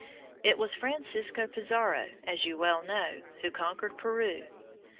It was Francisco Pizarro, as you well know, who conquered Peru.